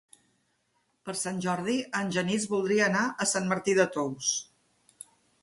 Per Sant Jordi en Genís voldria anar a Sant Martí de Tous.